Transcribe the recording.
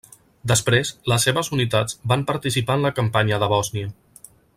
Després, les seves unitats van participar en la campanya de Bòsnia.